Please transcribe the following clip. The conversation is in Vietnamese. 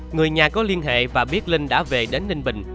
người nhà có liên hệ và biết linh đã về đến ninh bình